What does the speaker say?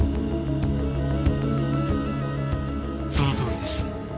そのとおりです。